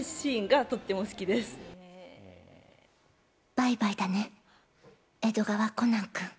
バイバイだね、江戸川コナン君。